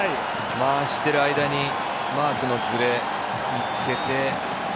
回している間にマークのズレ見つけて。